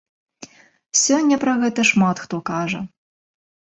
Сёння пра гэта шмат хто кажа.